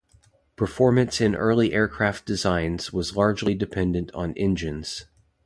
Performance in early aircraft designs was largely dependent on engines.